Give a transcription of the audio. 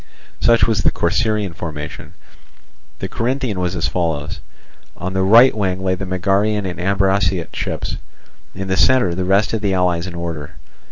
Such was the Corcyraean formation. The Corinthian was as follows: on the right wing lay the Megarian and Ambraciot ships, in the centre the rest of the allies in order.